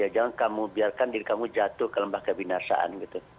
jangan kamu biarkan diri kamu jatuh ke lembah kebinasaan